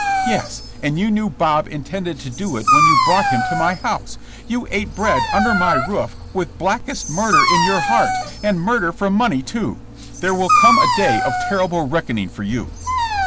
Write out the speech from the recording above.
"Yes, and you knew Bob intended to do it when you brought him to my house. You ate bread under my roof with blackest murder in your heart, and murder for money, too. There will come a day of terrible reckoning for you.